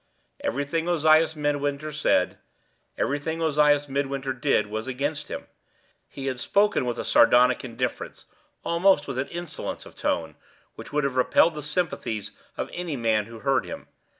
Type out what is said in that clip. Everything Ozias Midwinter said, everything Ozias Midwinter did, was against him. He had spoken with a sardonic indifference, almost with an insolence of tone, which would have repelled the sympathies of any man who heard him.